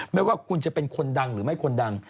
ไม่ว่าคุณจะเป็นคนดังหรือไม่คนดัง